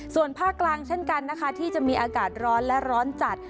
ส่วนภาคกลางเช่นกันนะคะที่จะมีอากาศร้อนและร้อนจัด